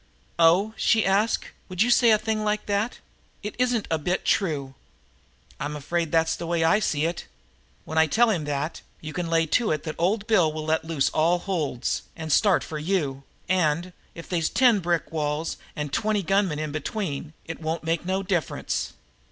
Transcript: "Oh," she asked, "would you say a thing like that? It isn't a bit true." "I'm afraid that's the way I see it. When I tell him that, you can lay to it that old Bill will let loose all holds and start for you, and, if they's ten brick walls and twenty gunmen in between, it won't make no difference.